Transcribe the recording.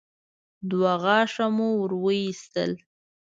دوه غاښه مو ور وايستل.